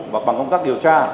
và bằng công tác điều tra